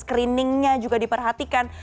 screening nya juga diperhatikan